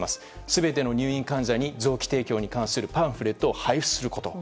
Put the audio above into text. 全ての入院患者に臓器提供に関するパンフレットを配布すること。